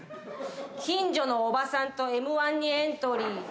近所のおばさんとＭ−１にエントリー。